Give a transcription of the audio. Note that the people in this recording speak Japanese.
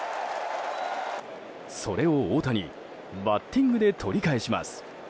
それを大谷バッティングで取り返します。